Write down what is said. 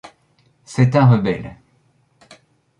C’est un rebelle.